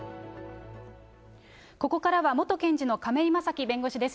ここからは元検事の亀井正貴弁護士です。